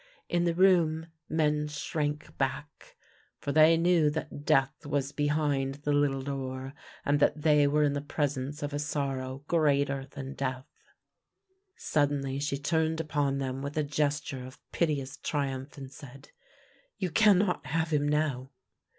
In the room men 88 THE LANE THAT HAD NO TURNING shrank back, for they knew that death was behind the little door, and that they were in the presence of a sor row greater than death. Suddenly she turned upon them with a gesture of piteous triumph, and said: " You cannot have him now."